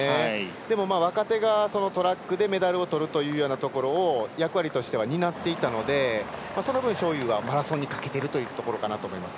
でも若手がトラックでメダルを取るというところを役割としては担っていたのでその分、章勇はマラソンにかけているかなと思います。